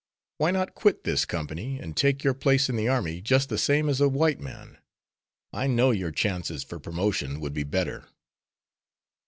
Why not quit this company, and take your place in the army just the same as a white man? I know your chances for promotion would be better."